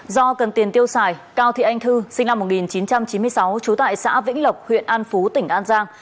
do cần tiền tiêu xài cao thị anh thư sinh năm một nghìn chín trăm chín mươi sáu trú tại xã vĩnh lộc huyện an phú tỉnh an giang